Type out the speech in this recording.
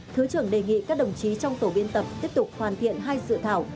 thứ trưởng đề nghị các đồng chí trong tổ biên tập tiếp tục hoàn thiện hai dự thảo